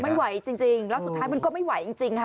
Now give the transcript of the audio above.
ไม่ไหวจริงแล้วสุดท้ายมันก็ไม่ไหวจริงค่ะ